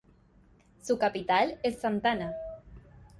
Su capital es Santana.